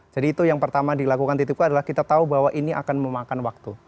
jadi itu yang pertama dilakukan titipku adalah kita tahu bahwa ini akan memakan waktu